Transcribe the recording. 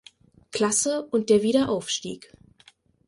Klasse und der Wiederaufstieg.